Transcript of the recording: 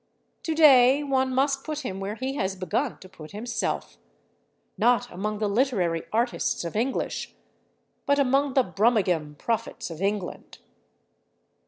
To day one must put him where he has begun to put himself—not among the literary artists of English, but among the brummagem prophets of England.